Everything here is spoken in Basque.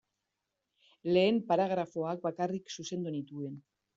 Lehen paragrafoak bakarrik zuzendu nituen.